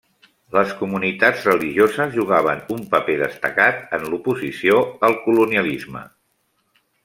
Les comunitats religioses jugaven un paper destacat en l'oposició al colonialisme.